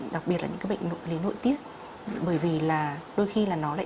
đặc biệt là những cái bệnh nội lý nội tiết bởi vì là đôi khi là nó lại